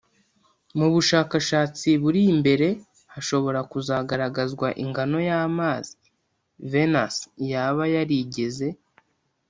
Mu bushakashatsi buri imbere hashobora kuzagaragazwa ingano y’amazi Venus yaba yarigeze